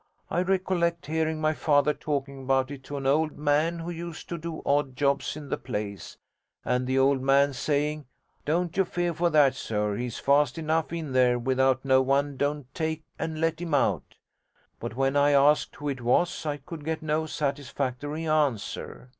I recollect hearing my father talking about it to an old man who used to do odd jobs in the place, and the old man saying, "Don't you fear for that, sir: he's fast enough in there without no one don't take and let him out." But when I asked who it was, I could get no satisfactory answer.